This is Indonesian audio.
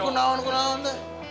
kenaan kenaan kenaan teh